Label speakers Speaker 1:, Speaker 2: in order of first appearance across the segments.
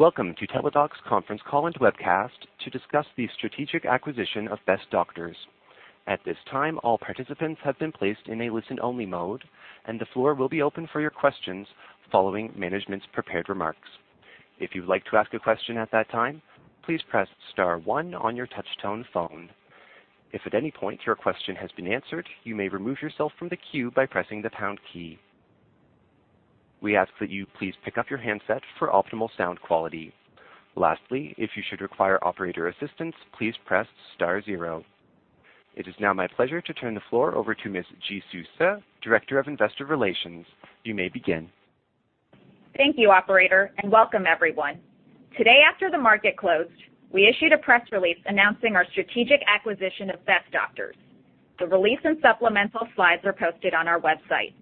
Speaker 1: Welcome to Teladoc's conference call and webcast to discuss the strategic acquisition of Best Doctors. At this time, all participants have been placed in a listen-only mode, and the floor will be open for your questions following management's prepared remarks. If you'd like to ask a question at that time, please press star one on your touch-tone phone. If at any point your question has been answered, you may remove yourself from the queue by pressing the pound key. We ask that you please pick up your handset for optimal sound quality. Lastly, if you should require operator assistance, please press star zero. It is now my pleasure to turn the floor over to Ms. Jisoo Soh, Director of Investor Relations. You may begin.
Speaker 2: Thank you, operator, and welcome everyone. Today after the market closed, we issued a press release announcing our strategic acquisition of Best Doctors. The release and supplemental slides are posted on our website.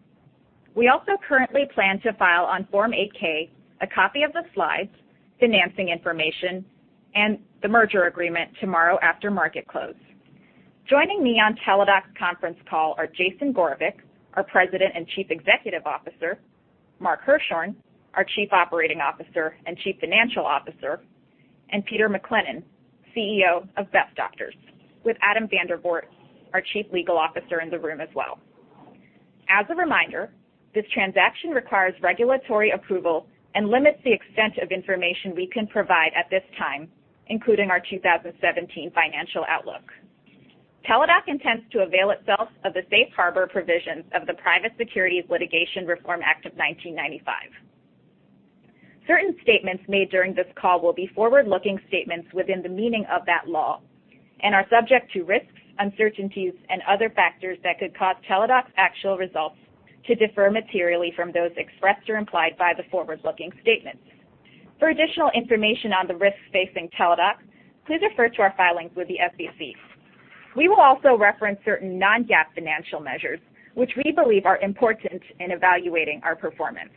Speaker 2: We also currently plan to file on Form 8-K a copy of the slides, financing information, and the merger agreement tomorrow after market close. Joining me on Teladoc's conference call are Jason Gorevic, our President and Chief Executive Officer, Mark Hirschorn, our Chief Operating Officer and Chief Financial Officer, and Peter MacLennan, CEO of Best Doctors, with Adam Vandervort, our Chief Legal Officer, in the room as well. As a reminder, this transaction requires regulatory approval and limits the extent of information we can provide at this time, including our 2017 financial outlook. Teladoc intends to avail itself of the safe harbor provisions of the Private Securities Litigation Reform Act of 1995. Certain statements made during this call will be forward-looking statements within the meaning of that law and are subject to risks, uncertainties, and other factors that could cause Teladoc's actual results to differ materially from those expressed or implied by the forward-looking statements. For additional information on the risks facing Teladoc, please refer to our filings with the SEC. We will also reference certain non-GAAP financial measures, which we believe are important in evaluating our performance.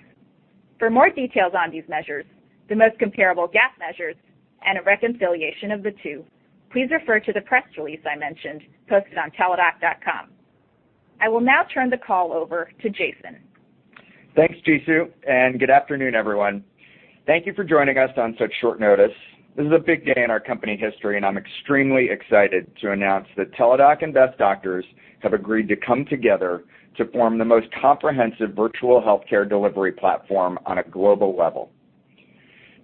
Speaker 2: For more details on these measures, the most comparable GAAP measures, and a reconciliation of the two, please refer to the press release I mentioned posted on teladoc.com. I will now turn the call over to Jason.
Speaker 3: Thanks, Jisoo. Good afternoon, everyone. Thank you for joining us on such short notice. This is a big day in our company history. I'm extremely excited to announce that Teladoc and Best Doctors have agreed to come together to form the most comprehensive virtual healthcare delivery platform on a global level.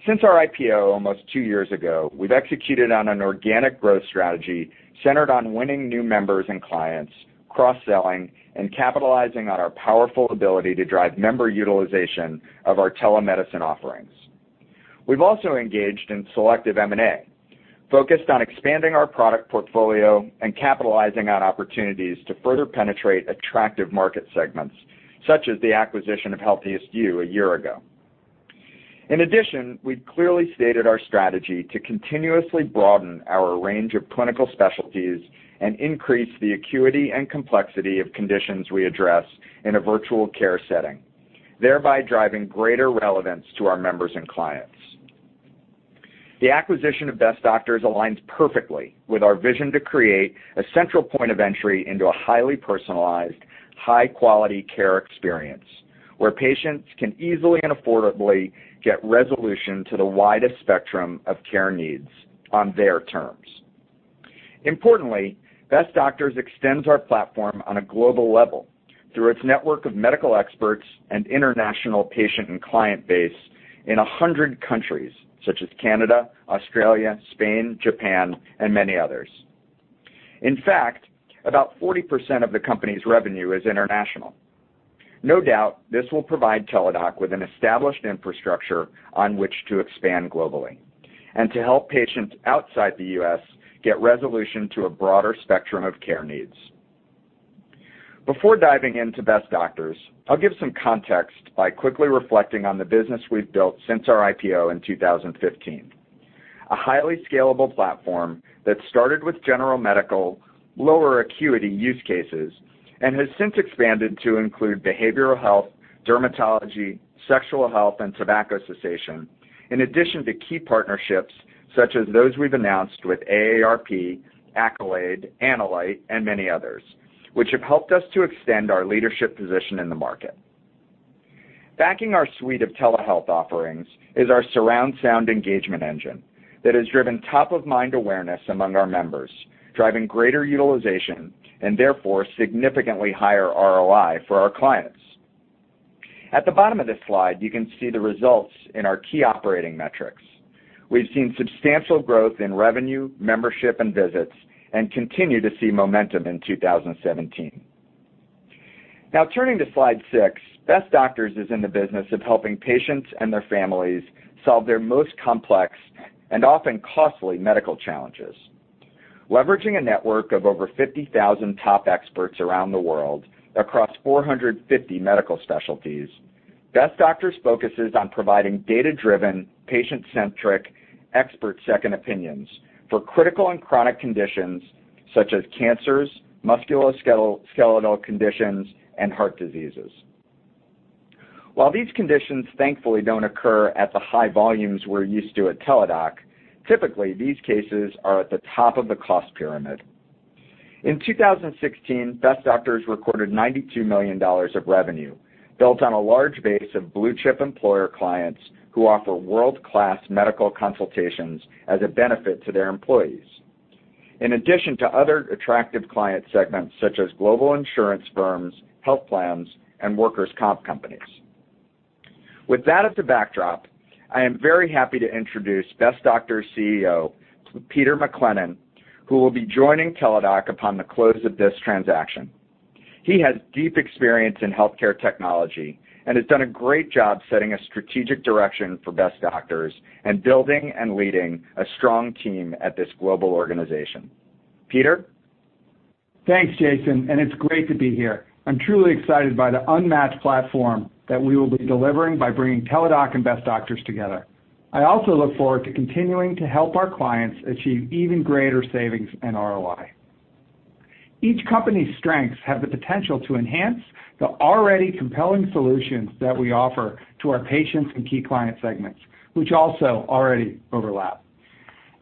Speaker 3: Since our IPO almost two years ago, we've executed on an organic growth strategy centered on winning new members and clients, cross-selling, and capitalizing on our powerful ability to drive member utilization of our telemedicine offerings. We've also engaged in selective M&A, focused on expanding our product portfolio and capitalizing on opportunities to further penetrate attractive market segments, such as the acquisition of HealthiestYou a year ago. In addition, we've clearly stated our strategy to continuously broaden our range of clinical specialties and increase the acuity and complexity of conditions we address in a virtual care setting, thereby driving greater relevance to our members and clients. The acquisition of Best Doctors aligns perfectly with our vision to create a central point of entry into a highly personalized, high-quality care experience, where patients can easily and affordably get resolution to the widest spectrum of care needs on their terms. Importantly, Best Doctors extends our platform on a global level through its network of medical experts and international patient and client base in 100 countries, such as Canada, Australia, Spain, Japan, and many others. In fact, about 40% of the company's revenue is international. No doubt, this will provide Teladoc with an established infrastructure on which to expand globally and to help patients outside the U.S. get resolution to a broader spectrum of care needs. Before diving into Best Doctors, I'll give some context by quickly reflecting on the business we've built since our IPO in 2015. A highly scalable platform that started with general medical, lower acuity use cases and has since expanded to include behavioral health, dermatology, sexual health, and tobacco cessation. In addition to key partnerships such as those we've announced with AARP, Accolade, Analyte, and many others, which have helped us to extend our leadership position in the market. Backing our suite of telehealth offerings is our surround sound engagement engine that has driven top-of-mind awareness among our members, driving greater utilization and therefore significantly higher ROI for our clients. At the bottom of this slide, you can see the results in our key operating metrics. We've seen substantial growth in revenue, membership, and visits, and continue to see momentum in 2017. Now turning to slide six. Best Doctors is in the business of helping patients and their families solve their most complex and often costly medical challenges. Leveraging a network of over 50,000 top experts around the world across 450 medical specialties, Best Doctors focuses on providing data-driven, patient-centric, expert second opinions for critical and chronic conditions such as cancers, musculoskeletal conditions, and heart diseases. While these conditions thankfully don't occur at the high volumes we're used to at Teladoc, typically, these cases are at the top of the cost pyramid. In 2016, Best Doctors recorded $92 million of revenue, built on a large base of Blue Chip employer clients who offer world-class medical consultations as a benefit to their employees. In addition to other attractive client segments such as global insurance firms, health plans, and workers' comp companies. With that as the backdrop, I am very happy to introduce Best Doctors' CEO, Peter MacLennan, who will be joining Teladoc upon the close of this transaction. He has deep experience in healthcare technology and has done a great job setting a strategic direction for Best Doctors, and building and leading a strong team at this global organization. Peter?
Speaker 4: Thanks, Jason, it's great to be here. I'm truly excited by the unmatched platform that we will be delivering by bringing Teladoc and Best Doctors together. I also look forward to continuing to help our clients achieve even greater savings and ROI. Each company's strengths have the potential to enhance the already compelling solutions that we offer to our patients and key client segments, which also already overlap.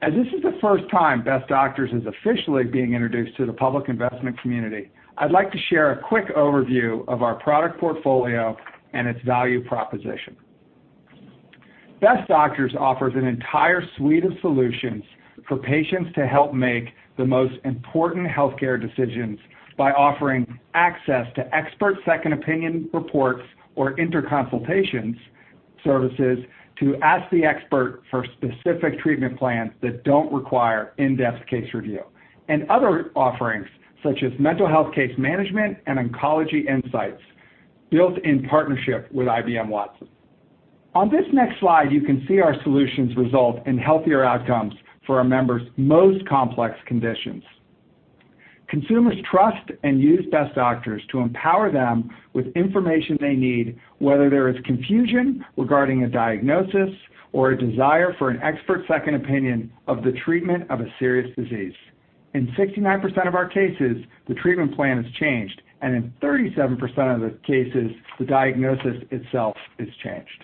Speaker 4: As this is the first time Best Doctors is officially being introduced to the public investment community, I'd like to share a quick overview of our product portfolio and its value proposition. Best Doctors offers an entire suite of solutions for patients to help make the most important healthcare decisions by offering access to expert second opinion reports or InterConsultation services to Ask the Expert for specific treatment plans that don't require in-depth case review. Other offerings, such as mental health case management and oncology insights built in partnership with IBM Watson. On this next slide, you can see our solutions result in healthier outcomes for our members' most complex conditions. Consumers trust and use Best Doctors to empower them with information they need, whether there is confusion regarding a diagnosis or a desire for an expert second opinion of the treatment of a serious disease. In 69% of our cases, the treatment plan is changed, in 37% of the cases, the diagnosis itself is changed.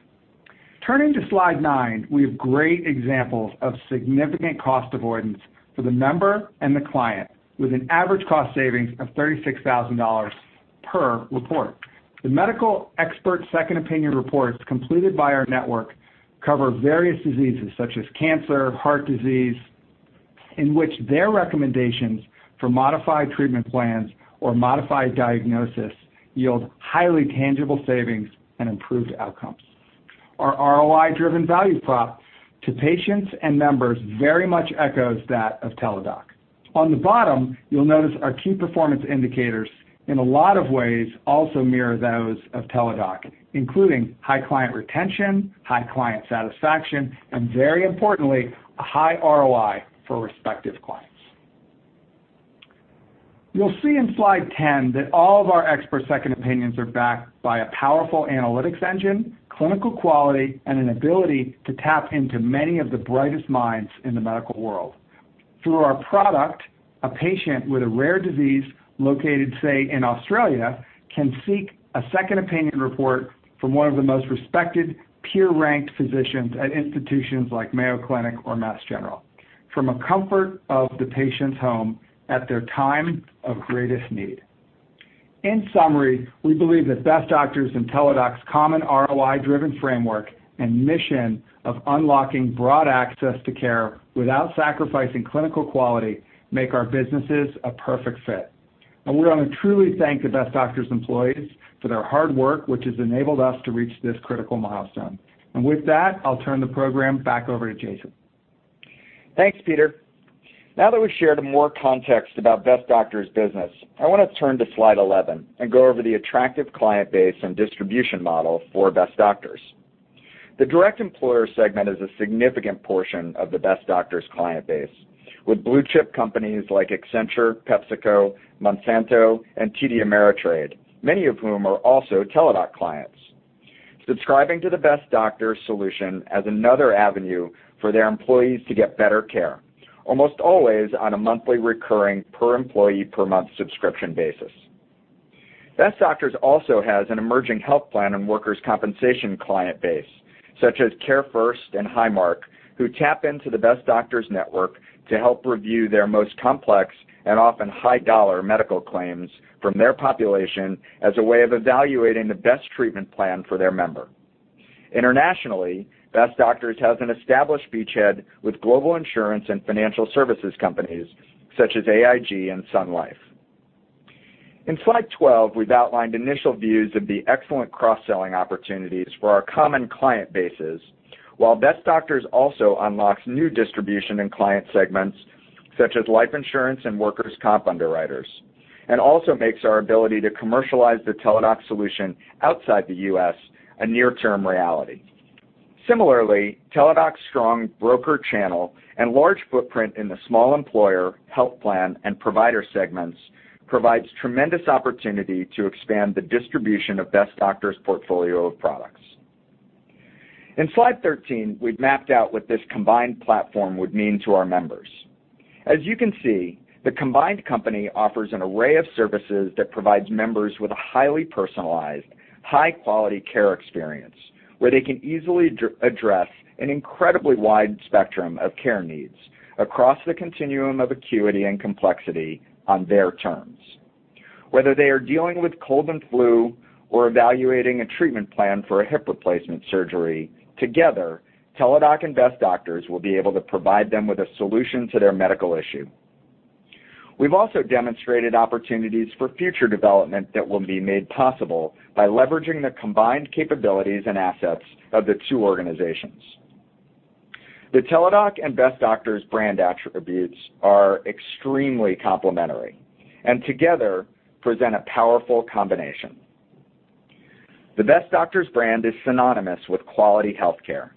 Speaker 4: Turning to slide nine, we have great examples of significant cost avoidance for the member and the client, with an average cost savings of $36,000 per report. The medical expert second opinion reports completed by our network cover various diseases such as cancer, heart disease, in which their recommendations for modified treatment plans or modified diagnosis yield highly tangible savings and improved outcomes. Our ROI-driven value prop to patients and members very much echoes that of Teladoc. On the bottom, you'll notice our key performance indicators in a lot of ways also mirror those of Teladoc, including high client retention, high client satisfaction, and very importantly, a high ROI for respective clients. You'll see in slide 10 that all of our expert second opinions are backed by a powerful analytics engine, clinical quality, and an ability to tap into many of the brightest minds in the medical world. Through our product, a patient with a rare disease located, say, in Australia, can seek a second opinion report from one of the most respected peer-ranked physicians at institutions like Mayo Clinic or Mass General, from a comfort of the patient's home at their time of greatest need. In summary, we believe that Best Doctors and Teladoc's common ROI-driven framework and mission of unlocking broad access to care without sacrificing clinical quality make our businesses a perfect fit. We want to truly thank the Best Doctors employees for their hard work, which has enabled us to reach this critical milestone. With that, I'll turn the program back over to Jason.
Speaker 3: Thanks, Peter. Now that we've shared more context about Best Doctors' business, I wanna turn to slide 11 and go over the attractive client base and distribution model for Best Doctors. The direct employer segment is a significant portion of the Best Doctors client base, with Blue Chip companies like Accenture, PepsiCo, Monsanto, and TD Ameritrade, many of whom are also Teladoc clients. Subscribing to the Best Doctors solution as another avenue for their employees to get better care, almost always on a monthly recurring per employee per month subscription basis. Best Doctors also has an emerging health plan and workers' compensation client base, such as CareFirst and Highmark, who tap into the Best Doctors network to help review their most complex and often high-dollar medical claims from their population as a way of evaluating the best treatment plan for their member. Internationally, Best Doctors has an established beachhead with global insurance and financial services companies such as AIG and Sun Life. In slide 12, we've outlined initial views of the excellent cross-selling opportunities for our common client bases, while Best Doctors also unlocks new distribution and client segments such as life insurance and workers' comp underwriters, and also makes our ability to commercialize the Teladoc solution outside the U.S. a near-term reality. Similarly, Teladoc's strong broker channel and large footprint in the small employer, health plan, and provider segments provides tremendous opportunity to expand the distribution of Best Doctors' portfolio of products. In slide 13, we've mapped out what this combined platform would mean to our members. As you can see, the combined company offers an array of services that provides members with a highly personalized, high-quality care experience, where they can easily address an incredibly wide spectrum of care needs across the continuum of acuity and complexity on their terms. Whether they are dealing with cold and flu or evaluating a treatment plan for a hip replacement surgery, together, Teladoc and Best Doctors will be able to provide them with a solution to their medical issue. We've also demonstrated opportunities for future development that will be made possible by leveraging the combined capabilities and assets of the two organizations. The Teladoc and Best Doctors brand attributes are extremely complementary, and together present a powerful combination. The Best Doctors brand is synonymous with quality healthcare,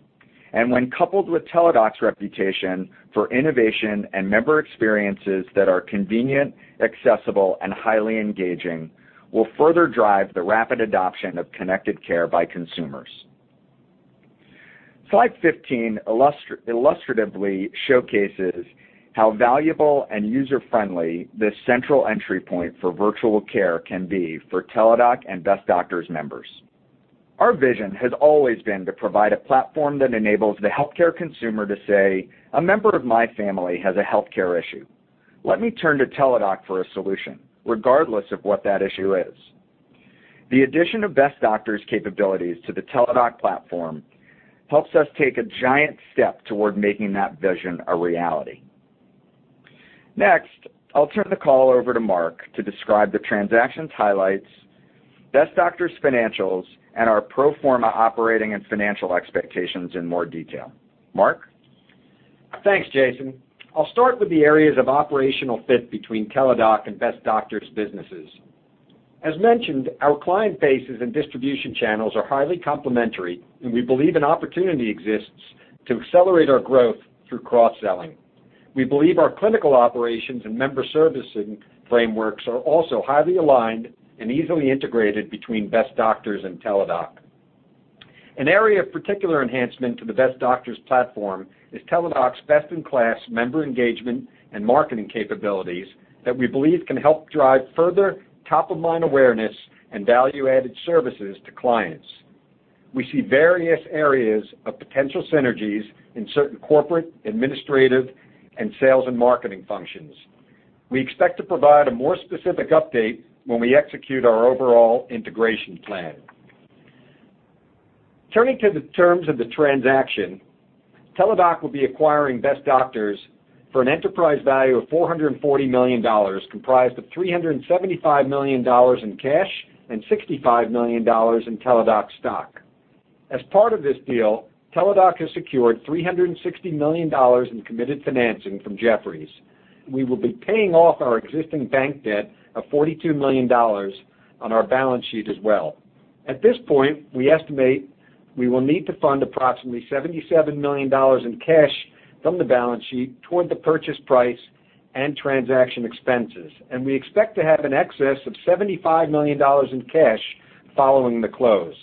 Speaker 3: and when coupled with Teladoc's reputation for innovation and member experiences that are convenient, accessible, and highly engaging, will further drive the rapid adoption of connected care by consumers. Slide 15 illustratively showcases how valuable and user-friendly this central entry point for virtual care can be for Teladoc and Best Doctors members. Our vision has always been to provide a platform that enables the healthcare consumer to say, "A member of my family has a healthcare issue. Let me turn to Teladoc for a solution," regardless of what that issue is. The addition of Best Doctors' capabilities to the Teladoc platform helps us take a giant step toward making that vision a reality. Next, I'll turn the call over to Mark to describe the transaction's highlights, Best Doctors' financials, and our pro forma operating and financial expectations in more detail. Mark?
Speaker 5: Thanks, Jason. I'll start with the areas of operational fit between Teladoc and Best Doctors' businesses. As mentioned, our client bases and distribution channels are highly complementary, and we believe an opportunity exists to accelerate our growth through cross-selling. We believe our clinical operations and member servicing frameworks are also highly aligned and easily integrated between Best Doctors and Teladoc. An area of particular enhancement to the Best Doctors platform is Teladoc's best-in-class member engagement and marketing capabilities that we believe can help drive further top-of-mind awareness and value-added services to clients. We see various areas of potential synergies in certain corporate, administrative, and sales and marketing functions. We expect to provide a more specific update when we execute our overall integration plan. Turning to the terms of the transaction, Teladoc will be acquiring Best Doctors for an enterprise value of $440 million, comprised of $375 million in cash and $65 million in Teladoc stock. As part of this deal, Teladoc has secured $360 million in committed financing from Jefferies. We will be paying off our existing bank debt of $42 million on our balance sheet as well. At this point, we estimate we will need to fund approximately $77 million in cash from the balance sheet toward the purchase price and transaction expenses, and we expect to have an excess of $75 million in cash following the close.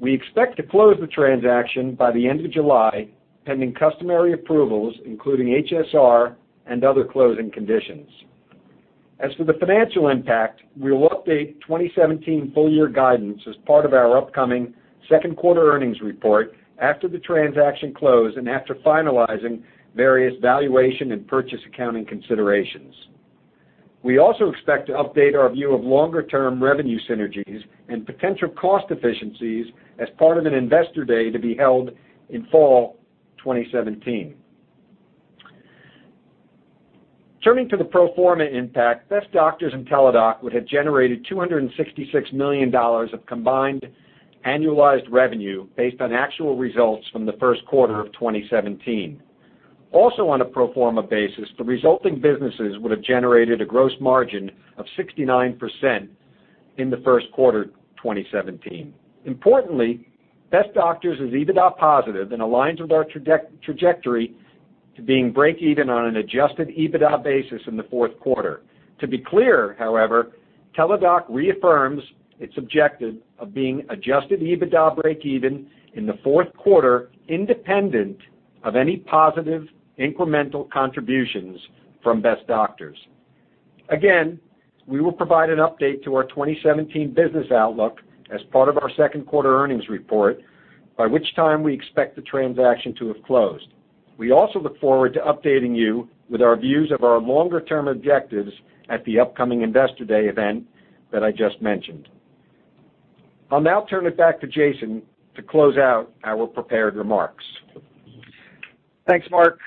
Speaker 5: We expect to close the transaction by the end of July, pending customary approvals, including HSR and other closing conditions. As for the financial impact, we will update 2017 full-year guidance as part of our upcoming second quarter earnings report after the transaction close and after finalizing various valuation and purchase accounting considerations. We also expect to update our view of longer-term revenue synergies and potential cost efficiencies as part of an investor day to be held in fall 2017. Turning to the pro forma impact, Best Doctors and Teladoc would have generated $266 million of combined annualized revenue based on actual results from the first quarter of 2017. Also on a pro forma basis, the resulting businesses would have generated a gross margin of 69% in the first quarter 2017. Importantly, Best Doctors is EBITDA-positive and aligns with our trajectory to being breakeven on an adjusted EBITDA basis in the fourth quarter. To be clear, however, Teladoc reaffirms its objective of being adjusted EBITDA breakeven in the fourth quarter, independent of any positive incremental contributions from Best Doctors. Again, we will provide an update to our 2017 business outlook as part of our second quarter earnings report, by which time we expect the transaction to have closed. We also look forward to updating you with our views of our longer-term objectives at the upcoming investor day event that I just mentioned. I'll now turn it back to Jason to close out our prepared remarks.
Speaker 3: Thanks, Mark.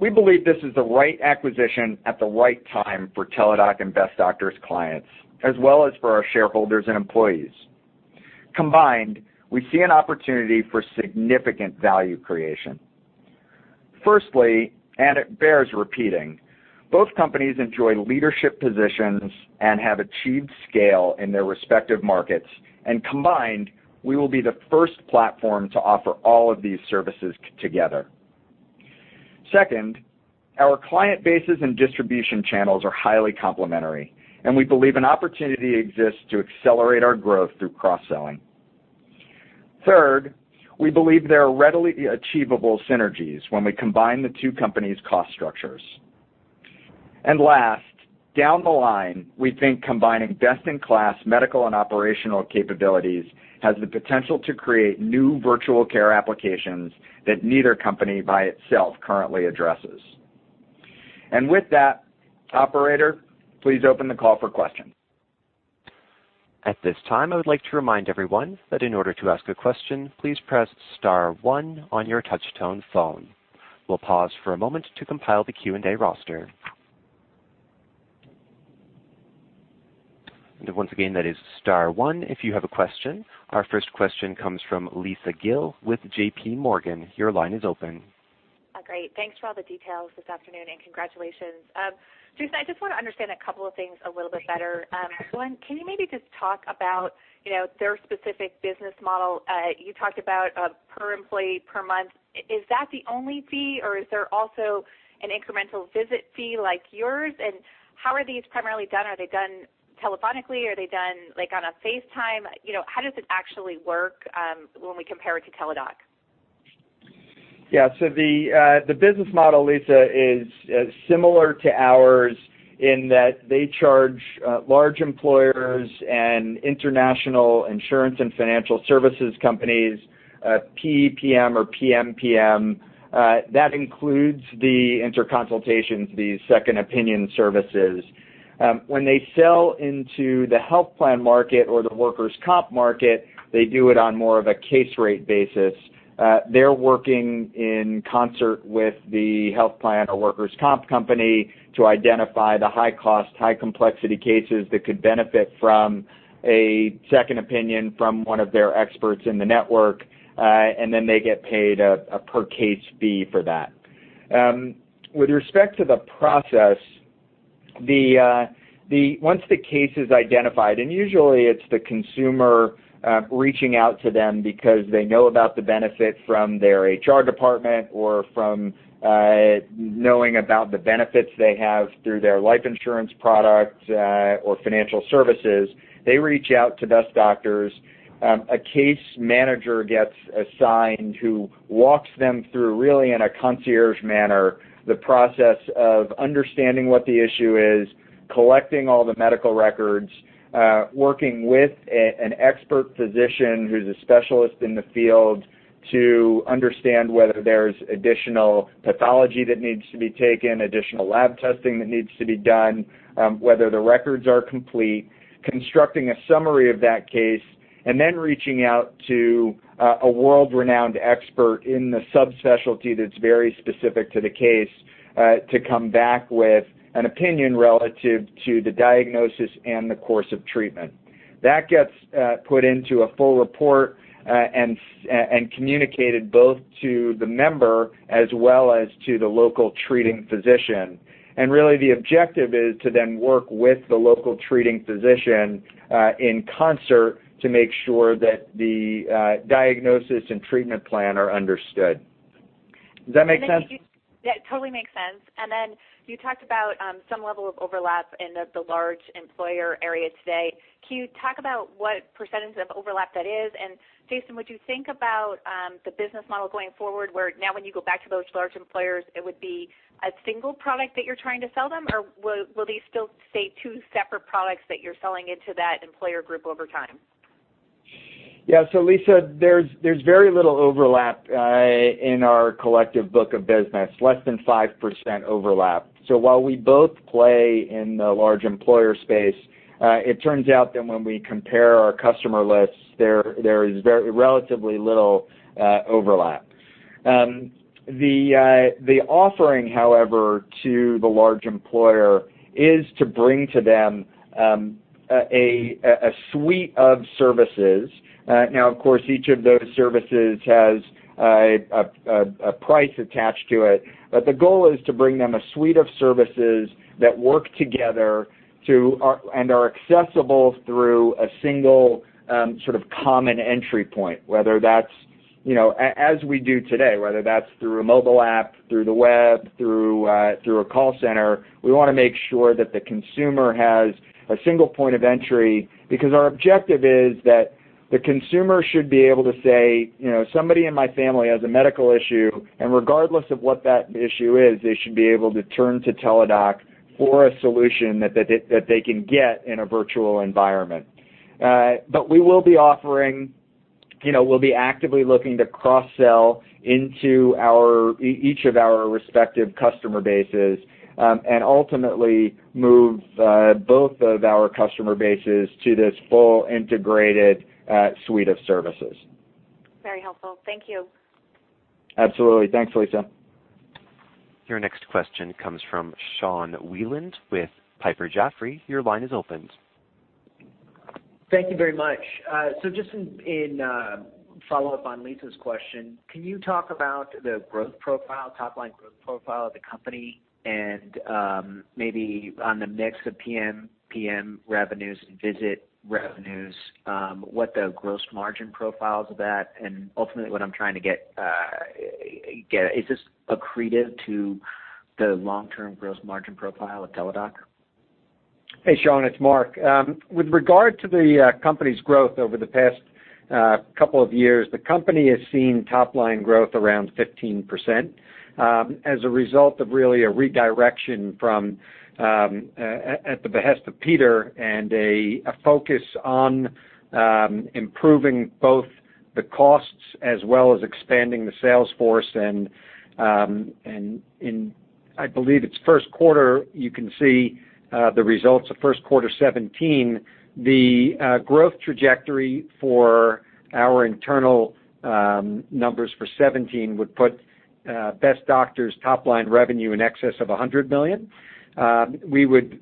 Speaker 3: We believe this is the right acquisition at the right time for Teladoc and Best Doctors clients, as well as for our shareholders and employees. Combined, we see an opportunity for significant value creation. Firstly, it bears repeating, both companies enjoy leadership positions and have achieved scale in their respective markets, and combined, we will be the first platform to offer all of these services together. Second, our client bases and distribution channels are highly complementary, and we believe an opportunity exists to accelerate our growth through cross-selling. Third, we believe there are readily achievable synergies when we combine the two companies' cost structures. Last, down the line, we think combining best-in-class medical and operational capabilities has the potential to create new virtual care applications that neither company by itself currently addresses. With that, operator, please open the call for questions.
Speaker 1: At this time, I would like to remind everyone that in order to ask a question, please press star one on your touch-tone phone. We'll pause for a moment to compile the Q&A roster. Once again, that is star one if you have a question. Our first question comes from Lisa Gill with J.P. Morgan. Your line is open.
Speaker 6: Great. Thanks for all the details this afternoon, and congratulations. Jason, I just want to understand a couple of things a little bit better. One, can you maybe just talk about their specific business model? You talked about per employee per month. Is that the only fee, or is there also an incremental visit fee like yours? How are these primarily done? Are they done telephonically, or are they done on FaceTime? How does it actually work when we compare it to Teladoc?
Speaker 3: The business model, Lisa, is similar to ours in that they charge large employers and international insurance and financial services companies PEPM or PMPM. That includes the InterConsultations, the second opinion services. When they sell into the health plan market or the workers' comp market, they do it on more of a case rate basis. They're working in concert with the health plan or workers' comp company to identify the high-cost, high-complexity cases that could benefit from a second opinion from one of their experts in the network. Then they get paid a per case fee for that. With respect to the process, once the case is identified, usually it's the consumer reaching out to them because they know about the benefit from their HR department or from knowing about the benefits they have through their life insurance product or financial services. They reach out to Best Doctors. A case manager gets assigned who walks them through, really in a concierge manner, the process of understanding what the issue is, collecting all the medical records, working with an expert physician who's a specialist in the field to understand whether there's additional pathology that needs to be taken, additional lab testing that needs to be done, whether the records are complete, constructing a summary of that case, then reaching out to a world-renowned expert in the subspecialty that's very specific to the case to come back with an opinion relative to the diagnosis and the course of treatment. That gets put into a full report and communicated both to the member as well as to the local treating physician. Really the objective is to then work with the local treating physician in concert to make sure that the diagnosis and treatment plan are understood. Does that make sense?
Speaker 6: Yeah, it totally makes sense. Then you talked about some level of overlap in the large employer area today. Can you talk about what percentage of overlap that is? Jason, would you think about the business model going forward, where now when you go back to those large employers, it would be a single product that you're trying to sell them, or will they still stay two separate products that you're selling into that employer group over time?
Speaker 3: Yeah. Lisa, there's very little overlap in our collective book of business, less than 5% overlap. While we both play in the large employer space, it turns out that when we compare our customer lists, there is relatively little overlap. The offering, however, to the large employer is to bring to them a suite of services. Now, of course, each of those services has a price attached to it. The goal is to bring them a suite of services that work together and are accessible through a single common entry point. As we do today, whether that's through a mobile app, through the web, through a call center, we want to make sure that the consumer has a single point of entry. Our objective is that the consumer should be able to say, "Somebody in my family has a medical issue," and regardless of what that issue is, they should be able to turn to Teladoc for a solution that they can get in a virtual environment. We'll be actively looking to cross-sell into each of our respective customer bases, and ultimately move both of our customer bases to this full integrated suite of services.
Speaker 6: Very helpful. Thank you.
Speaker 3: Absolutely. Thanks, Lisa.
Speaker 1: Your next question comes from Sean Wieland with Piper Jaffray. Your line is open.
Speaker 7: Thank you very much. Just in follow-up on Lisa's question, can you talk about the growth profile, top-line growth profile of the company, and maybe on the mix of PMPM revenues and visit revenues, what the gross margin profile is of that. Ultimately, what I'm trying to get at, is this accretive to the long-term gross margin profile of Teladoc?
Speaker 5: Hey, Sean, it's Mark. With regard to the company's growth over the past couple of years, the company has seen top-line growth around 15%, as a result of really a redirection at the behest of Peter and a focus on improving both the costs as well as expanding the sales force. I believe its first quarter, you can see the results of first quarter 2017, the growth trajectory for our internal numbers for 2017 would put Best Doctors' top-line revenue in excess of $100 million. We would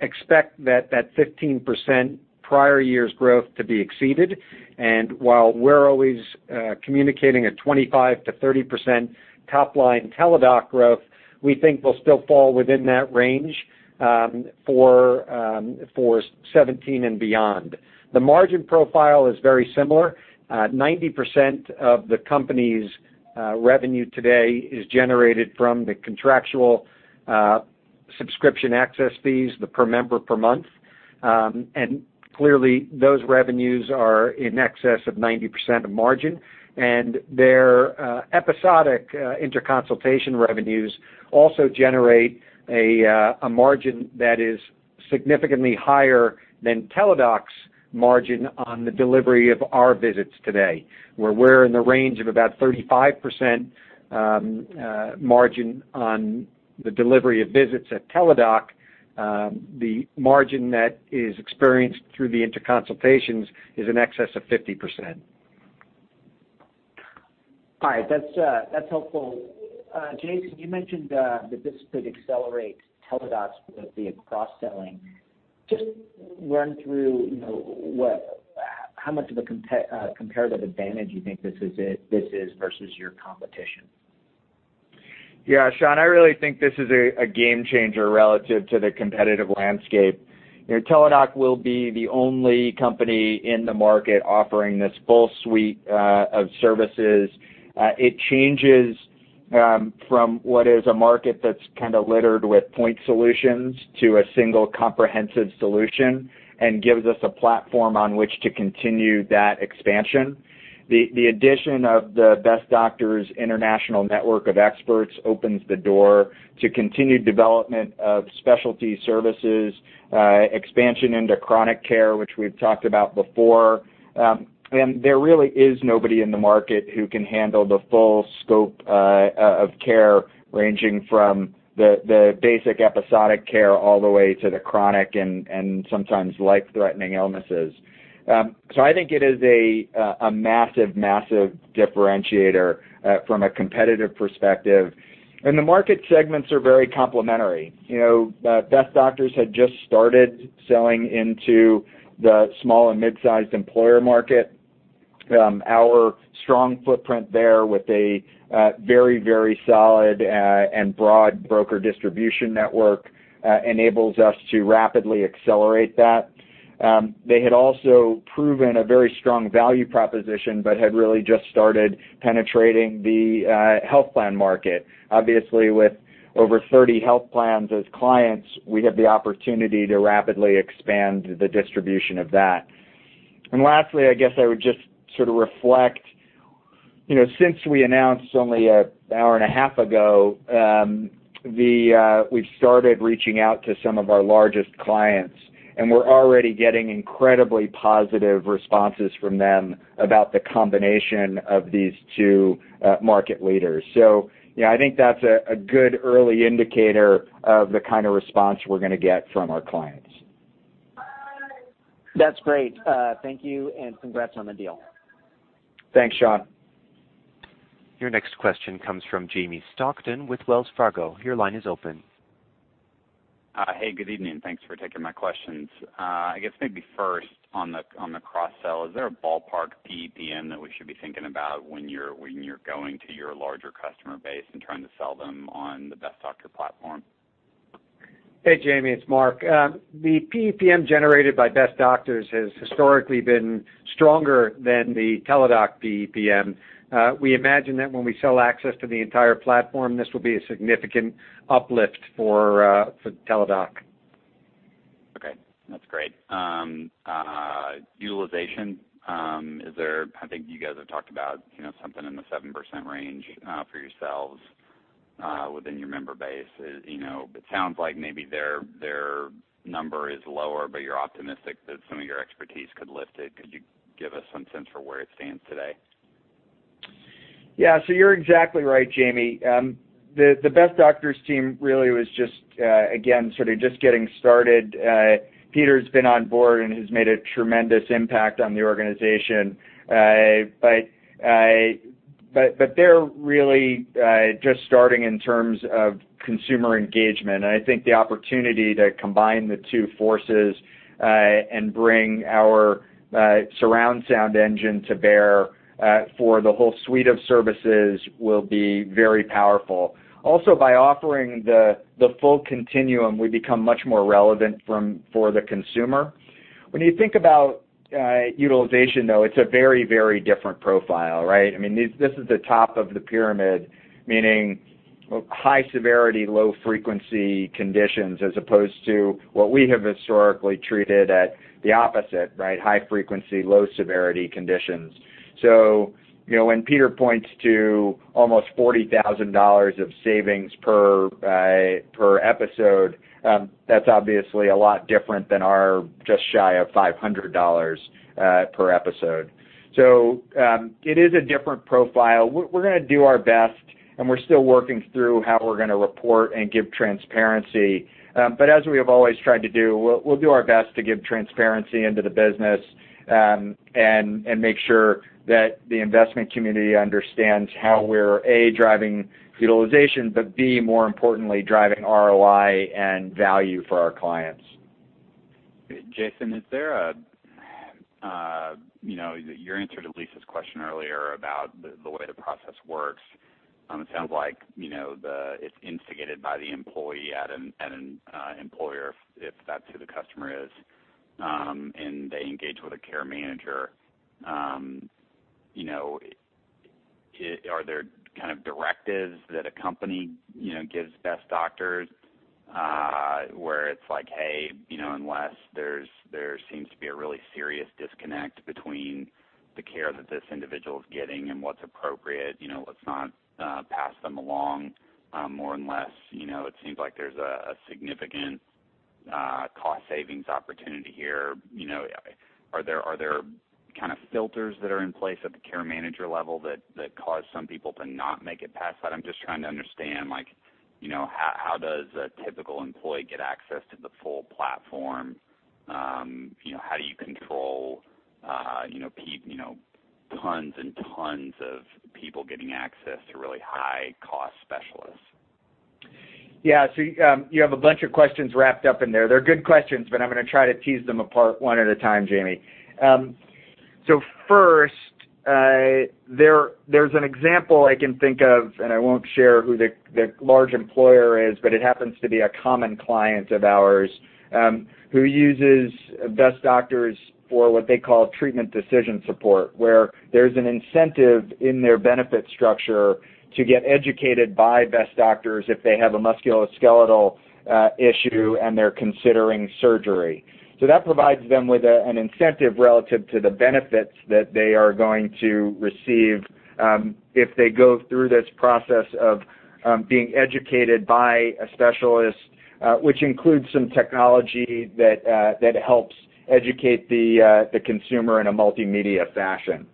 Speaker 5: expect that 15% prior year's growth to be exceeded. While we're always communicating a 25%-30% top-line Teladoc growth, we think we'll still fall within that range for 2017 and beyond. The margin profile is very similar. 90% of the company's revenue today is generated from the contractual subscription access fees, the per member per month. Clearly those revenues are in excess of 90% of margin, and their episodic InterConsultation revenues also generate a margin that is significantly higher than Teladoc's margin on the delivery of our visits today, where we're in the range of about 35% margin on the delivery of visits at Teladoc. The margin that is experienced through the InterConsultations is in excess of 50%.
Speaker 7: All right. That's helpful. Jason, you mentioned that this could accelerate Teladoc's ability of cross-selling. Just run through how much of a comparative advantage you think this is versus your competition.
Speaker 3: Yeah, Sean, I really think this is a game changer relative to the competitive landscape. Teladoc will be the only company in the market offering this full suite of services. It changes from what is a market that's kind of littered with point solutions to a single comprehensive solution and gives us a platform on which to continue that expansion. The addition of the Best Doctors international network of experts opens the door to continued development of specialty services, expansion into chronic care, which we've talked about before. There really is nobody in the market who can handle the full scope of care, ranging from the basic episodic care all the way to the chronic and sometimes life-threatening illnesses. I think it is a massive differentiator from a competitive perspective. The market segments are very complementary. Best Doctors had just started selling into the small and mid-sized employer market. Our strong footprint there with a very solid and broad broker distribution network enables us to rapidly accelerate that. They had also proven a very strong value proposition, but had really just started penetrating the health plan market. Obviously, with over 30 health plans as clients, we have the opportunity to rapidly expand the distribution of that. Lastly, I guess I would just sort of reflect, since we announced only an hour and a half ago, we've started reaching out to some of our largest clients, and we're already getting incredibly positive responses from them about the combination of these two market leaders. Yeah, I think that's a good early indicator of the kind of response we're going to get from our clients.
Speaker 7: That's great. Thank you, and congrats on the deal.
Speaker 3: Thanks, Sean.
Speaker 1: Your next question comes from Jamie Stockton with Wells Fargo. Your line is open.
Speaker 8: Hey, good evening. Thanks for taking my questions. I guess maybe first on the cross-sell, is there a ballpark PEPM that we should be thinking about when you're going to your larger customer base and trying to sell them on the Best Doctors platform?
Speaker 5: Hey, Jamie, it's Mark. The PEPM generated by Best Doctors has historically been stronger than the Teladoc PEPM. We imagine that when we sell access to the entire platform, this will be a significant uplift for Teladoc.
Speaker 8: Okay, that's great. Utilization, I think you guys have talked about something in the 7% range for yourselves within your member base. It sounds like maybe their number is lower, you're optimistic that some of your expertise could lift it. Could you give us some sense for where it stands today?
Speaker 3: Yeah. You're exactly right, Jamie. The Best Doctors team really was just getting started. Peter's been on board and has made a tremendous impact on the organization. They're really just starting in terms of consumer engagement, and I think the opportunity to combine the two forces and bring our surround sound engine to bear for the whole suite of services will be very powerful. Also, by offering the full continuum, we become much more relevant for the consumer. When you think about utilization, though, it's a very different profile, right? This is the top of the pyramid, meaning high severity, low frequency conditions, as opposed to what we have historically treated at the opposite, right? High frequency, low severity conditions. When Peter points to almost $40,000 of savings per episode, that's obviously a lot different than our just shy of $500 per episode. It is a different profile. We're going to do our best, and we're still working through how we're going to report and give transparency. As we have always tried to do, we'll do our best to give transparency into the business, and make sure that the investment community understands how we're, A, driving utilization, but B, more importantly, driving ROI and value for our clients.
Speaker 8: Jason, your answer to Lisa's question earlier about the way the process works, it sounds like it's instigated by the employee at an employer, if that's who the customer is, and they engage with a care manager. Are there directives that a company gives Best Doctors where it's like, "Hey, unless there seems to be a really serious disconnect between the care that this individual's getting and what's appropriate, let's not pass them along more and less." It seems like there's a significant cost savings opportunity here. Are there filters that are in place at the care manager level that cause some people to not make it past that? I'm just trying to understand how does a typical employee get access to the full platform? How do you control tons and tons of people getting access to really high-cost specialists?
Speaker 3: Yeah. You have a bunch of questions wrapped up in there. They're good questions, but I'm going to try to tease them apart one at a time, Jamie. First, there's an example I can think of, and I won't share who the large employer is, but it happens to be a common client of ours, who uses Best Doctors for what they call treatment decision support, where there's an incentive in their benefit structure to get educated by Best Doctors if they have a musculoskeletal issue, and they're considering surgery. That provides them with an incentive relative to the benefits that they are going to receive, if they go through this process of being educated by a specialist, which includes some technology that helps educate the consumer in a multimedia fashion.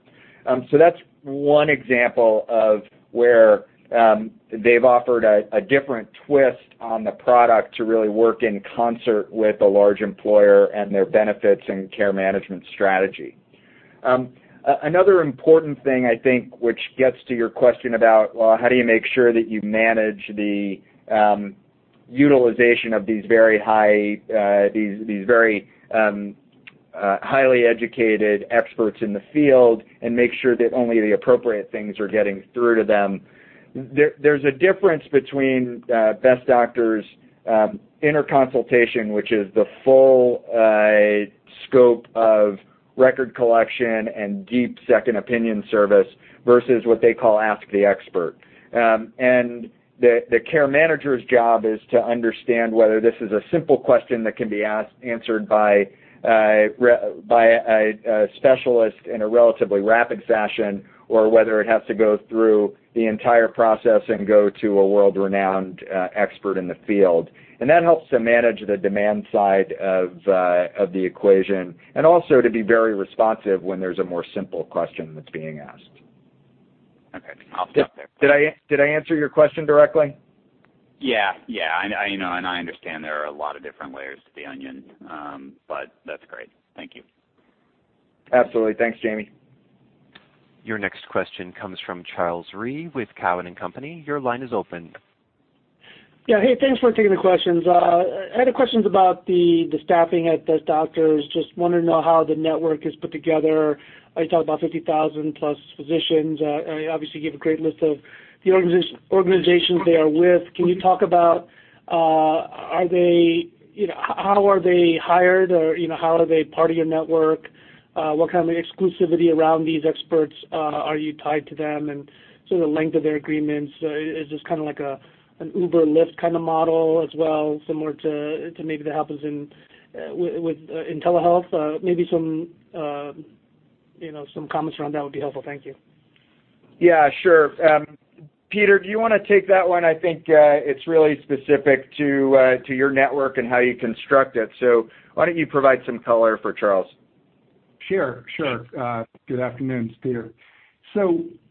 Speaker 3: That's one example of where they've offered a different twist on the product to really work in concert with a large employer and their benefits and care management strategy. Another important thing, I think, which gets to your question about, how do you make sure that you manage the utilization of these very highly educated experts in the field, and make sure that only the appropriate things are getting through to them. There's a difference between Best Doctors InterConsultation, which is the full scope of record collection and deep second opinion service, versus what they call Ask the Expert. The care manager's job is to understand whether this is a simple question that can be answered by a specialist in a relatively rapid fashion, or whether it has to go through the entire process and go to a world-renowned expert in the field. That helps to manage the demand side of the equation, and also to be very responsive when there's a more simple question that's being asked.
Speaker 8: Okay. I'll stop there.
Speaker 3: Did I answer your question directly?
Speaker 8: Yeah. I understand there are a lot of different layers to the onion. That's great. Thank you.
Speaker 3: Absolutely. Thanks, Jamie.
Speaker 1: Your next question comes from Charles Rhyee with Cowen and Company. Your line is open.
Speaker 9: Yeah. Hey, thanks for taking the questions. I had questions about the staffing at Best Doctors. Just want to know how the network is put together. You talk about 50,000-plus physicians. Obviously, you have a great list of the organizations they are with. Can you talk about how are they hired, or how are they part of your network? What kind of exclusivity around these experts? Are you tied to them? The length of their agreements, is this like an Uber-Lyft kind of model as well, similar to maybe that happens in telehealth? Maybe some comments around that would be helpful. Thank you.
Speaker 3: Yeah, sure. Peter, do you want to take that one? I think it's really specific to your network and how you construct it. Why don't you provide some color for Charles?
Speaker 4: Sure. Good afternoon. It's Peter.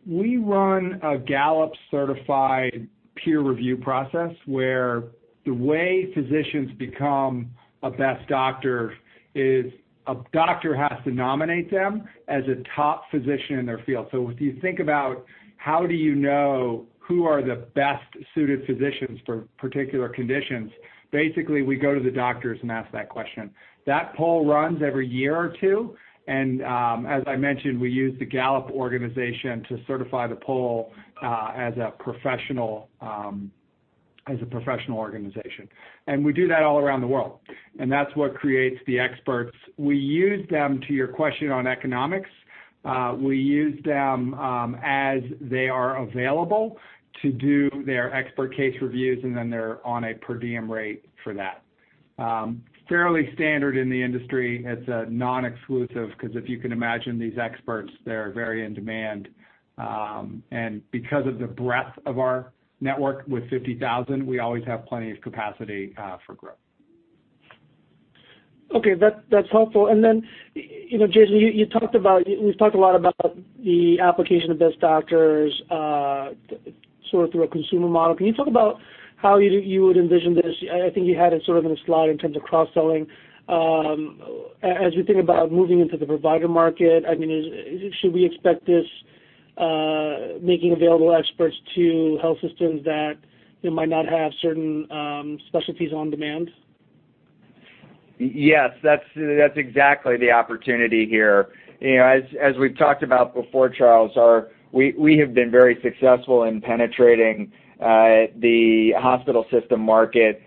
Speaker 4: We run a Gallup-certified peer review process where the way physicians become a Best Doctor is a doctor has to nominate them as a top physician in their field. If you think about how do you know who are the best-suited physicians for particular conditions? Basically, we go to the doctors and ask that question. That poll runs every year or two, and, as I mentioned, we use the Gallup organization to certify the poll as a professional organization. We do that all around the world, and that's what creates the experts. To your question on economics, we use them as they are available to do their expert case reviews, and then they're on a per diem rate for that. Fairly standard in the industry. It's a non-exclusive, because if you can imagine these experts, they're very in demand. Because of the breadth of our network with 50,000, we always have plenty of capacity for growth.
Speaker 9: Okay. That's helpful. Jason, you've talked a lot about the application of Best Doctors sort of through a consumer model. Can you talk about how you would envision this? I think you had it sort of in a slide in terms of cross-selling. As we think about moving into the provider market, should we expect this making available experts to health systems that might not have certain specialties on demand?
Speaker 3: Yes. That's exactly the opportunity here. As we've talked about before, Charles, we have been very successful in penetrating the hospital system market,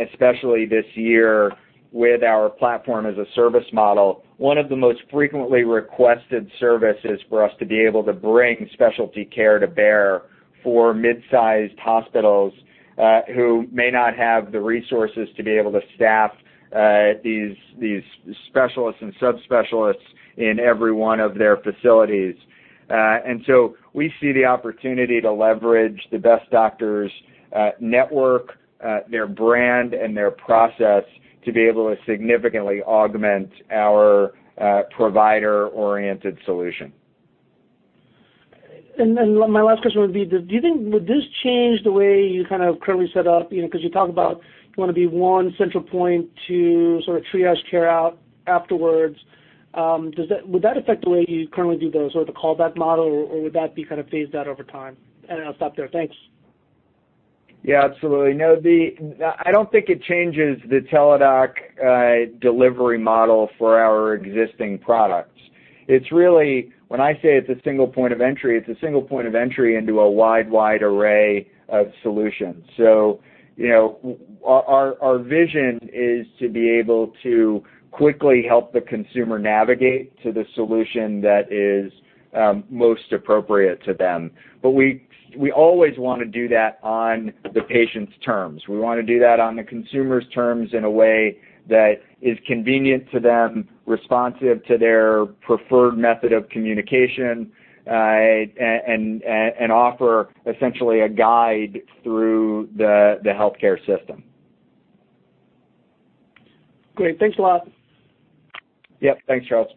Speaker 3: especially this year with our platform as a service model. One of the most frequently requested services for us to be able to bring specialty care to bear for mid-sized hospitals, who may not have the resources to be able to staff these specialists and sub-specialists in every one of their facilities. We see the opportunity to leverage the Best Doctors network, their brand, and their process to be able to significantly augment our provider-oriented solution.
Speaker 9: My last question would be, do you think, would this change the way you kind of currently set up? Because you talk about you want to be one central point to sort of triage care out afterwards. Would that affect the way you currently do the sort of the callback model, or would that be kind of phased out over time? I'll stop there. Thanks.
Speaker 3: Yeah, absolutely. I don't think it changes the Teladoc delivery model for our existing products. When I say it's a single point of entry, it's a single point of entry into a wide array of solutions. Our vision is to be able to quickly help the consumer navigate to the solution that is most appropriate to them. We always want to do that on the patient's terms. We want to do that on the consumer's terms in a way that is convenient to them, responsive to their preferred method of communication, and offer essentially a guide through the healthcare system.
Speaker 9: Great. Thanks a lot.
Speaker 3: Yep. Thanks, Charles.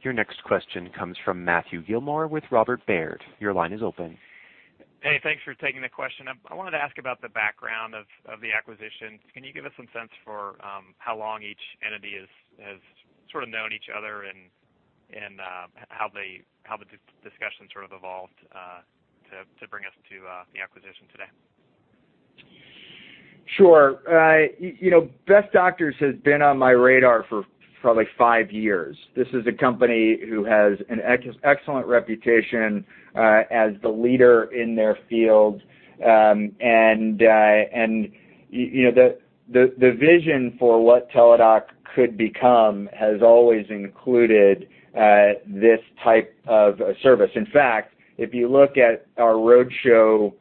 Speaker 1: Your next question comes from Matthew Gilmore with Robert Baird. Your line is open.
Speaker 10: Hey, thanks for taking the question. I wanted to ask about the background of the acquisition. Can you give us some sense for how long each entity has sort of known each other and how the discussion sort of evolved to bring us to the acquisition today?
Speaker 3: Sure. Best Doctors has been on my radar for probably five years. This is a company who has an excellent reputation as the leader in their field. The vision for what Teladoc could become has always included this type of service. In fact, if you look at our roadshow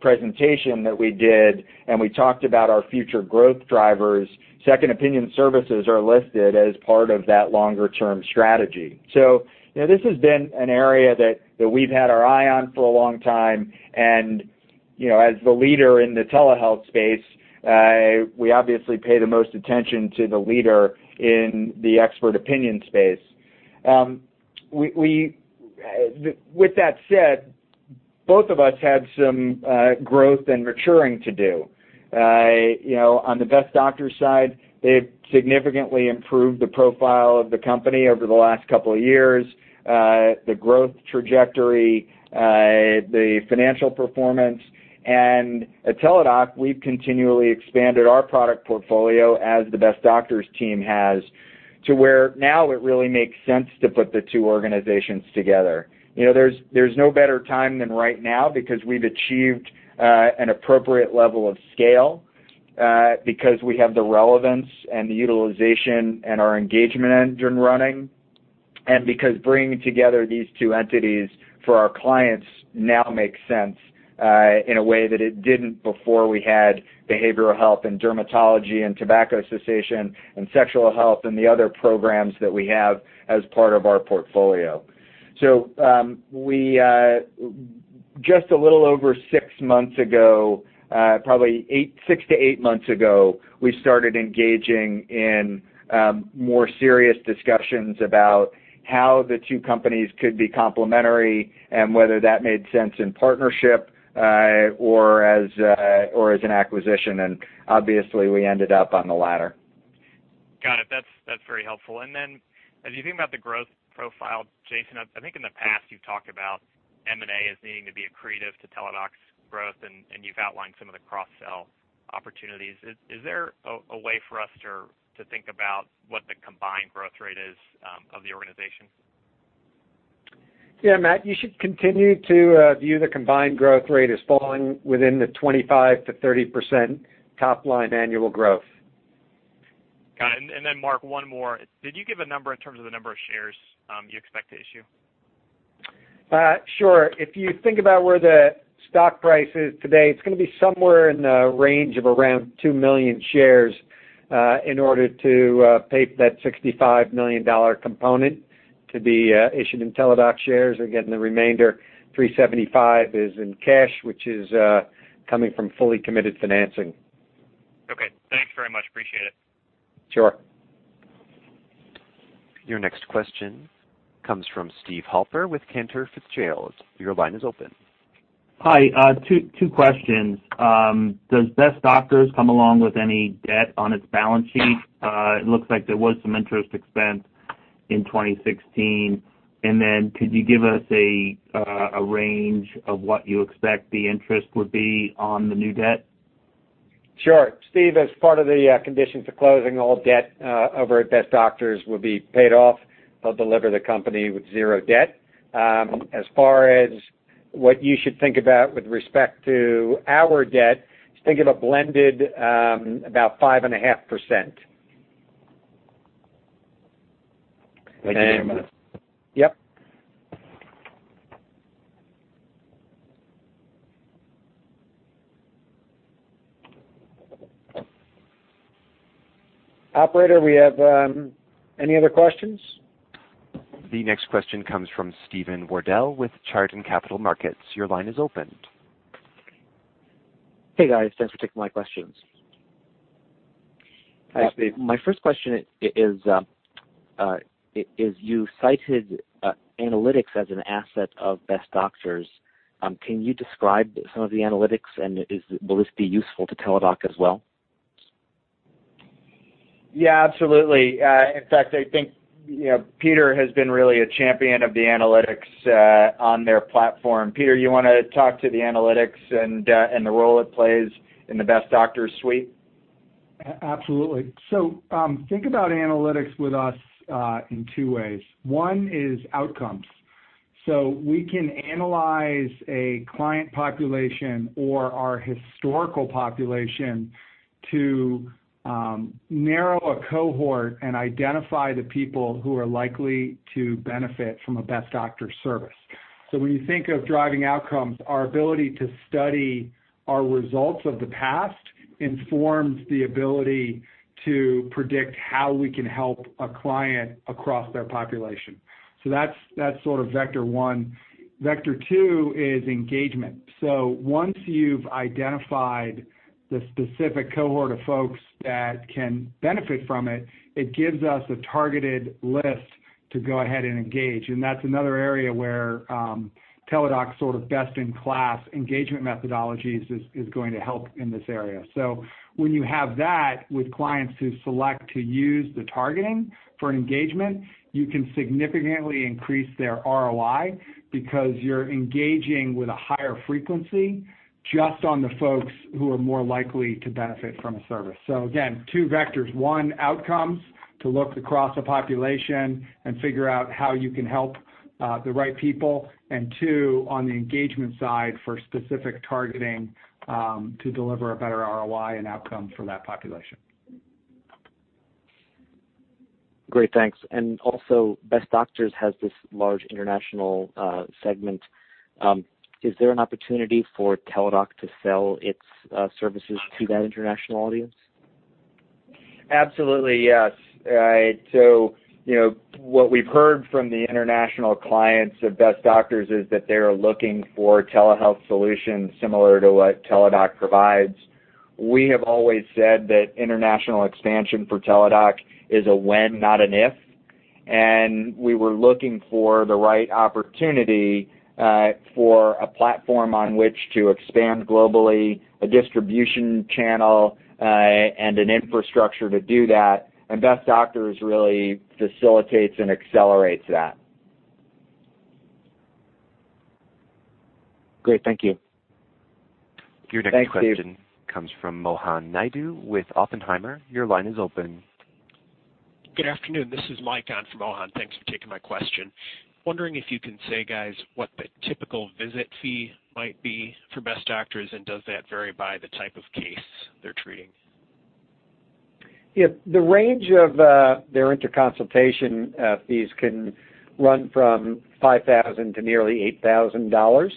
Speaker 3: presentation that we did, and we talked about our future growth drivers, second opinion services are listed as part of that longer-term strategy. This has been an area that we've had our eye on for a long time, and as the leader in the telehealth space, we obviously pay the most attention to the leader in the expert opinion space. With that said, both of us had some growth and maturing to do. On the Best Doctors side, they've significantly improved the profile of the company over the last couple of years, the growth trajectory, the financial performance. At Teladoc, we've continually expanded our product portfolio as the Best Doctors team has to where now it really makes sense to put the two organizations together. There's no better time than right now because we've achieved an appropriate level of scale, because we have the relevance and the utilization and our engagement engine running, and because bringing together these two entities for our clients now makes sense in a way that it didn't before we had behavioral health and dermatology and tobacco cessation and sexual health and the other programs that we have as part of our portfolio. Just a little over six months ago, probably six to eight months ago, we started engaging in more serious discussions about how the two companies could be complementary and whether that made sense in partnership or as an acquisition. Obviously, we ended up on the latter.
Speaker 10: Got it. That's very helpful. Then as you think about the growth profile, Jason, I think in the past you've talked about M&A as needing to be accretive to Teladoc's growth, and you've outlined some of the cross-sell opportunities. Is there a way for us to think about what the combined growth rate is of the organization?
Speaker 5: Yeah, Matt, you should continue to view the combined growth rate as falling within the 25%-30% top-line annual growth.
Speaker 10: Got it. Mark, one more. Did you give a number in terms of the number of shares you expect to issue?
Speaker 5: Sure. If you think about where the stock price is today, it's going to be somewhere in the range of around 2 million shares, in order to pay for that $65 million component to be issued in Teladoc shares. Again, the remainder, $375 million, is in cash, which is coming from fully committed financing.
Speaker 10: Okay. Thanks very much. Appreciate it.
Speaker 3: Sure.
Speaker 1: Your next question comes from Steve Halper with Cantor Fitzgerald. Your line is open.
Speaker 11: Hi. Two questions. Does Best Doctors come along with any debt on its balance sheet? It looks like there was some interest expense in 2016. Could you give us a range of what you expect the interest would be on the new debt?
Speaker 5: Sure. Steve, as part of the condition for closing all debt over at Best Doctors will be paid off. They'll deliver the company with zero debt. As far as what you should think about with respect to our debt, just think of a blended about 5.5%.
Speaker 11: Thank you very much.
Speaker 5: Yep. Operator, we have any other questions?
Speaker 1: The next question comes from Steve Wardell with Chardan Capital Markets. Your line is open.
Speaker 12: Hey, guys. Thanks for taking my questions.
Speaker 3: Hi, Steve.
Speaker 12: My first question is, you cited analytics as an asset of Best Doctors. Can you describe some of the analytics, and will this be useful to Teladoc as well?
Speaker 3: Yeah, absolutely. In fact, I think Peter has been really a champion of the analytics on their platform. Peter, you want to talk to the analytics and the role it plays in the Best Doctors suite?
Speaker 4: Absolutely. Think about analytics with us in two ways. One is outcomes. We can analyze a client population or our historical population to narrow a cohort and identify the people who are likely to benefit from a Best Doctors service. When you think of driving outcomes, our ability to study our results of the past informs the ability to predict how we can help a client across their population. That's sort of vector one. Vector two is engagement. Once you've identified the specific cohort of folks that can benefit from it gives us a targeted list to go ahead and engage. That's another area where Teladoc's best-in-class engagement methodologies is going to help in this area. When you have that with clients who select to use the targeting for engagement, you can significantly increase their ROI because you're engaging with a higher frequency just on the folks who are more likely to benefit from a service. Again, two vectors, one, outcomes, to look across a population and figure out how you can help the right people. Two, on the engagement side for specific targeting to deliver a better ROI and outcome from that population.
Speaker 12: Great, thanks. Also, Best Doctors has this large international segment. Is there an opportunity for Teladoc to sell its services to that international audience?
Speaker 3: Absolutely, yes. What we've heard from the international clients of Best Doctors is that they are looking for telehealth solutions similar to what Teladoc provides. We have always said that international expansion for Teladoc is a when, not an if. We were looking for the right opportunity for a platform on which to expand globally, a distribution channel, and an infrastructure to do that. Best Doctors really facilitates and accelerates that.
Speaker 12: Great. Thank you.
Speaker 3: Thanks, Steve.
Speaker 1: Your next question comes from Mohan Naidu with Oppenheimer. Your line is open.
Speaker 13: Good afternoon. This is [inaudible] from Mohan. Thanks for taking my question. Wondering if you can say, guys, what the typical visit fee might be for Best Doctors, and does that vary by the type of case they're treating?
Speaker 5: Yeah. The range of their InterConsultation fees can run from $5,000 to nearly $8,000.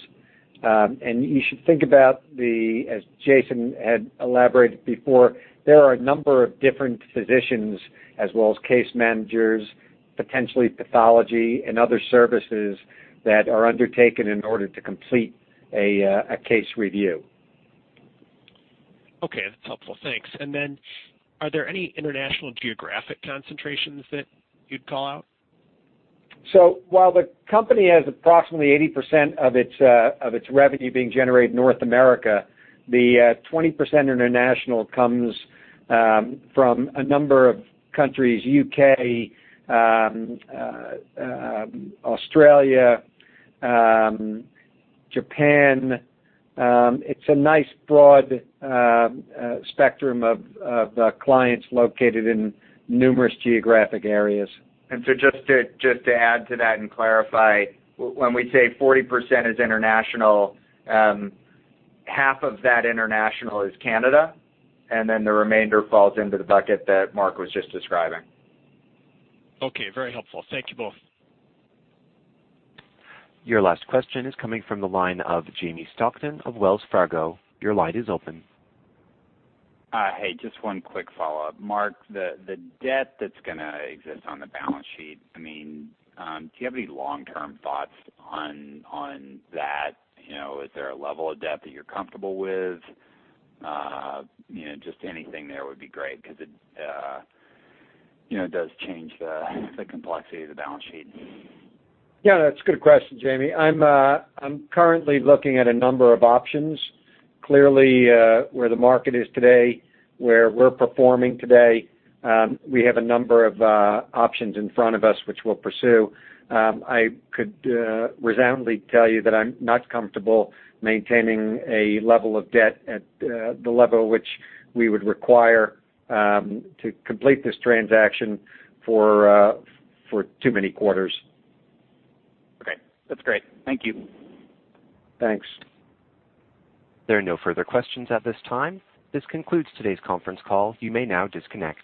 Speaker 5: You should think about, as Jason had elaborated before, there are a number of different physicians as well as case managers, potentially pathology and other services that are undertaken in order to complete a case review.
Speaker 13: Okay. That's helpful. Thanks. Are there any international geographic concentrations that you'd call out?
Speaker 5: While the company has approximately 80% of its revenue being generated in North America, the 20% international comes from a number of countries: U.K., Australia, Japan. It's a nice broad spectrum of clients located in numerous geographic areas.
Speaker 4: Just to add to that and clarify, when we say 40% is international, half of that international is Canada, and the remainder falls into the bucket that Mark was just describing.
Speaker 13: Okay. Very helpful. Thank you both.
Speaker 1: Your last question is coming from the line of Jamie Stockton of Wells Fargo. Your line is open.
Speaker 8: Hey, just one quick follow-up. Mark, the debt that's going to exist on the balance sheet, do you have any long-term thoughts on that? Is there a level of debt that you're comfortable with? Just anything there would be great because it does change the complexity of the balance sheet.
Speaker 5: Yeah, that's a good question, Jamie. I'm currently looking at a number of options. Clearly, where the market is today, where we're performing today, we have a number of options in front of us which we'll pursue. I could resoundly tell you that I'm not comfortable maintaining a level of debt at the level which we would require to complete this transaction for too many quarters.
Speaker 8: Okay. That's great. Thank you.
Speaker 5: Thanks.
Speaker 1: There are no further questions at this time. This concludes today's conference call. You may now disconnect.